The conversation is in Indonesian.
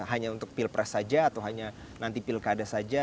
hanya untuk pilpres saja atau hanya nanti pilkada saja